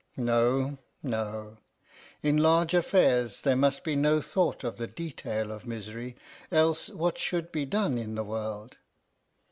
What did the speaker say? No, no, in large affairs there must be no thought of the detail of misery, else what should be done in the world!